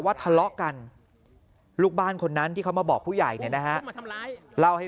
ทะเลาะกันลูกบ้านคนนั้นที่เขามาบอกผู้ใหญ่เนี่ยนะฮะเล่าให้